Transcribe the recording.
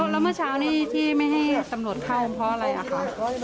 แล้วเมื่อเช้านี้ที่ไม่ให้ตำรวจเข้าเพราะอะไรอะค่ะ